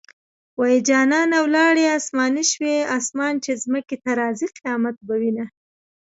جانانه ولاړې اسماني شوې - اسمان چې ځمکې ته راځي؛ قيامت به وينه